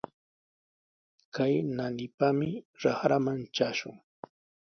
Kay naanipami raqraman trashun.